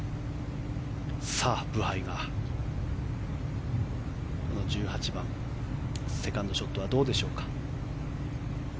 ブハイが１８番セカンドショットはどうでしょうか。